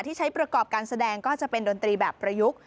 ที่ใช้ประกอบการแสดงก็จะเป็นดนตรีแบบประยุกต์